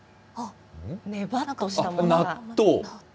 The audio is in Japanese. ねばっとしたものが。